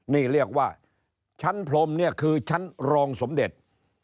นี่เรียกว่าชั้นพรมเนี่ยคือชั้นรองสมเด็จ